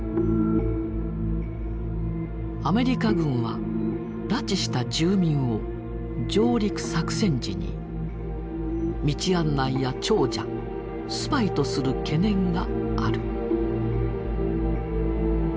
「アメリカ軍は拉致した住民を上陸作戦時に道案内や諜者スパイとする懸念がある」。